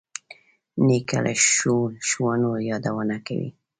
نیکه له ښو ښوونو یادونه کوي.